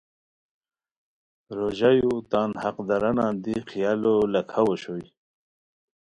روژایو تان حقدارانان دی خیالو لکھاؤ اوشوئے